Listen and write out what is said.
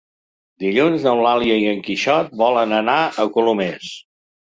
Dilluns n'Eulàlia i en Quixot volen anar a Colomers.